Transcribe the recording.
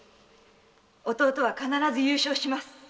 弟は必ず優勝します。